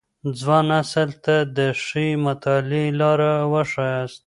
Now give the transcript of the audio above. ځوان نسل ته د ښې مطالعې لاره وښاياست.